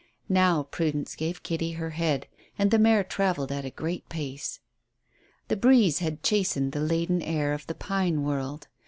Now Prudence gave Kitty her head, and the mare travelled at a great pace. The breeze had chastened the laden air of the pine world.